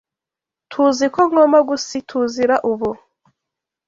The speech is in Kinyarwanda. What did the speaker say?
TUZI ko ngomba gusiTUZIra ubu.